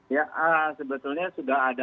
ya sebetulnya sudah ada